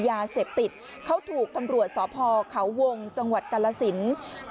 ยาเสพติดเขาถูกตำรวจสพเขาวงจังหวัดกาลสิน